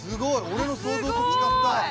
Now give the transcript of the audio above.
俺の想像と違った。